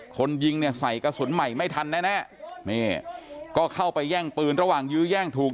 คนยิงเนี่ยใส่กระสุนใหม่ไม่ทันแน่นี่ก็เข้าไปแย่งปืนระหว่างยื้อแย่งถูก